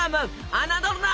侮るな！